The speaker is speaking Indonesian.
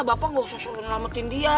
bapak nggak usah suruh ngelemetin dia